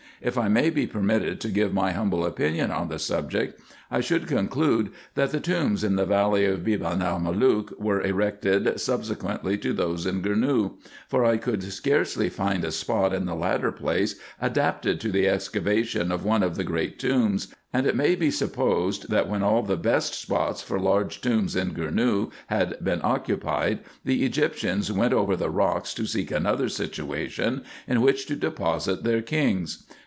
If I may be permitted to give my humble opinion on the subject, I IN EGYPT, NUBIA, &c. 227 should conclude, that the tombs in the valley of Beban el Malook were erected subsequently to those in Goumou ; for I could scarcely find a spot in the latter place adapted to the excavation of one of the great tombs, and it may be supposed, that when all the best spots for large tombs in Gournou had been occupied, the Egyptians went over the rocks to seek another situation in which to deposit their kings.